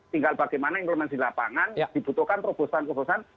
tinggal bagaimana informasi lapangan dibutuhkan perubahan perubahan